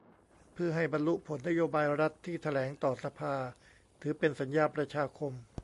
เพื่อให้บรรลุผล นโยบายรัฐที่แถลงต่อสภา ถือเป็นสัญญาประชาคม